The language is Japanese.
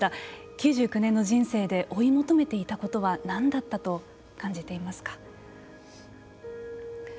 ９９年の人生で追い求めていたことは何だったと感じていますか。